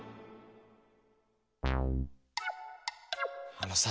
あのさ